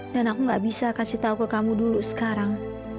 dan aku gak bisa kasih tau ke kamu dulu sekarang